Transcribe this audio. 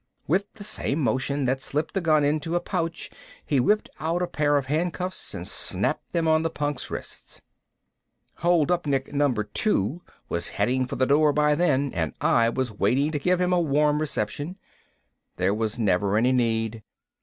With the same motion that slipped the gun into a pouch he whipped out a pair of handcuffs and snapped them on the punk's wrists. Holdupnik number two was heading for the door by then, and I was waiting to give him a warm reception. There was never any need.